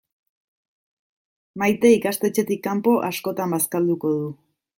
Maite ikastetxetik kanpo askotan bazkalduko du.